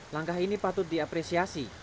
langkah ini patut diapresiasi